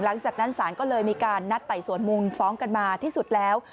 หลังจากนั้นศาลก็เลยมีการนัดไต่สวนมูลฟ้องกันมาที่สุดแล้ว